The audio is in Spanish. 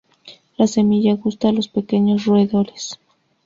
La semilla gusta a los pequeños roedores.